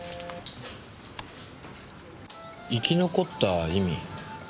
生き残った意味？